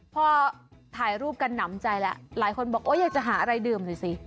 พอถ่ายรูปกันนำใจแล้วหลายคนบอกจะหาอะไรดื่มดูสิ